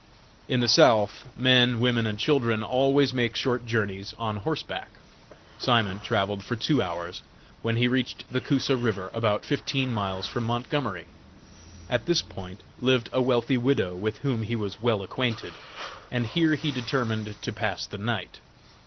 In the South, men, women and children, always make short journeys on horseback. Simon travelled for two hours, when he reached the Coosa river, about fifteen miles from Montgomery. At this point lived a wealthy widow, with whom he was well acquainted, and here he determined to pass the night.